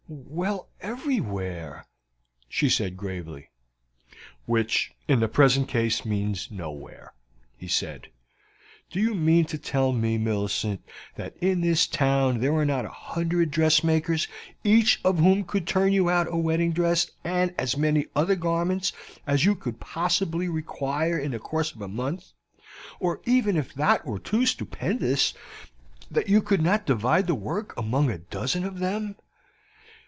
"Well, everywhere," she said gravely. "Which in the present case means nowhere," he said. "Do you mean to tell me, Millicent, that in this town there are not a hundred dressmakers, each of whom could turn you out a wedding dress and as many other garments as you can possibly require in the course of a month, or even if that effort were too stupendous, that you could not divide the work among a dozen of them?"